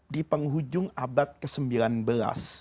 di penghujung abad ke sembilan belas